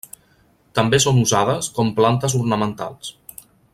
També són usades com plantes ornamentals.